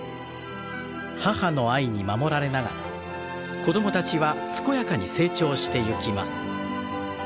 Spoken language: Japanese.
母の愛に守られながら子供たちは健やかに成長してゆきます。